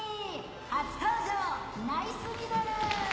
・・初登場ナイスミドル！